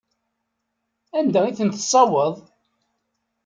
Anda i ten-tessewweḍ?